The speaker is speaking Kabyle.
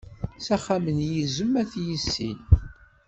S axxam n yizem ad t-yissin.